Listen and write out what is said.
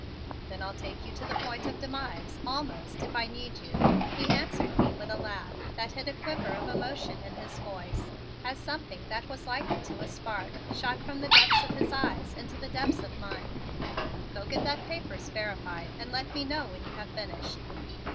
"Then I'll take you to the point of demise almost if I need you," he answered me with a laugh that hid a quiver of emotion in his voice as something that was like unto a spark shot from the depths of his eyes into the depths of mine. "Go get the papers verified and let me know when you have finished."